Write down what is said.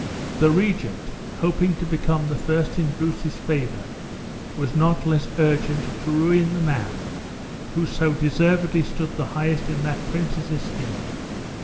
The regent, hoping to become the first in Bruce's favor, was not less urgent to ruin the man who so deservedly stood the highest in that prince's esteem.